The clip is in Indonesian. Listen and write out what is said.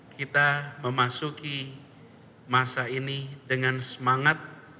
kita memasuki masa ini dengan semangat